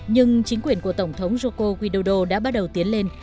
nhưng chính quyền của tổng thống joko widodo đã bắt đầu tiến lên